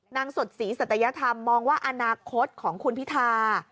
สดศรีสัตยธรรมมองว่าอนาคตของคุณพิธา